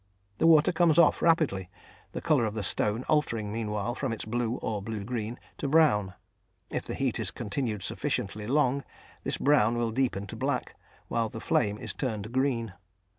The water comes off rapidly, the colour of the stone altering meanwhile from its blue or blue green to brown. If the heat is continued sufficiently long, this brown will deepen to black, while the flame is turned green.